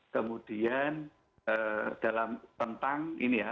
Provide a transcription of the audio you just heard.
kemudian dalam tentang ini ya